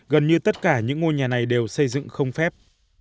gần như tất cả những ngôi nhà này đều xây dựng không phép